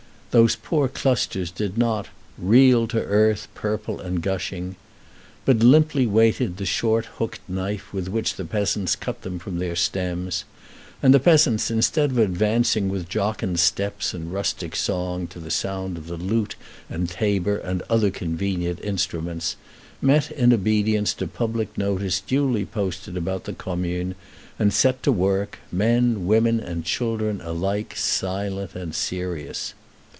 Those poor clusters did not "reel to earth Purple and gushing," but limply waited the short hooked knife with which the peasants cut them from their stems; and the peasants, instead of advancing with jocund steps and rustic song to the sound of the lute and tabor and other convenient instruments, met in obedience to public notice duly posted about the Commune, and set to work, men, women, and children alike silent and serious.